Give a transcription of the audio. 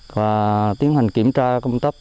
và tiến hành kiểm tra công tấp